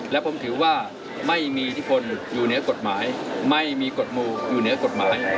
และผมถือว่าไม่มีอิทธิพลอยู่เหนือกฎหมายไม่มีกฎหมู่อยู่เหนือกฎหมาย